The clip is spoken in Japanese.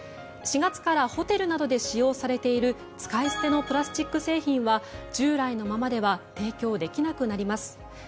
４月からホテルなどで使用されている使い捨てのプラスチック製品は従来のままでは提供できなくなります。